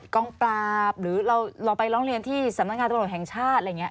กล้องปราบหรือเราไปร้องเรียนที่สำนักงานตัวหน่วยแห่งชาติ